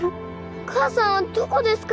お母さんはどこですか？